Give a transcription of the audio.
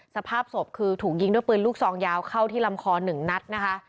สภาพศพคือถูกยิงด้วยปืนลูกซองยาวเข้าที่ลำคอหนึ่งนัดนะคะ